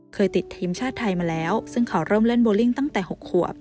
เคยติดทีมชาติไทยมาแล้วซึ่งเขาเริ่มเล่นโบลิ่งตั้งแต่๖ขวบ